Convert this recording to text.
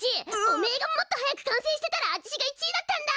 おめえがもっと早く完成してたらあちしが１位だったんだ！